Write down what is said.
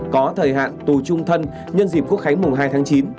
có thời hạn tù trung thân nhân dịp quốc khánh mùng hai tháng chín